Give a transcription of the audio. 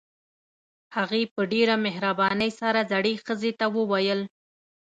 هغې په ډېره مهربانۍ سره زړې ښځې ته وويل.